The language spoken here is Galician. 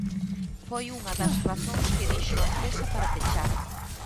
Foi unha das razóns que dixo a empresa para pechar.